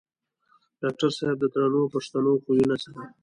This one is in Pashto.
ډاکټر صېب د درنو پښتنو خويونو سره